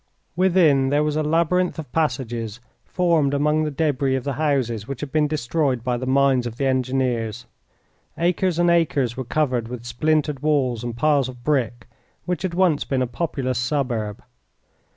Within, there was a labyrinth of passages formed among the debris of the houses which had been destroyed by the mines of the engineers. Acres and acres were covered with splintered walls and piles of brick which had once been a populous suburb.